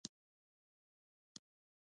د سلما بند د کوم هیواد په مرسته جوړ شو؟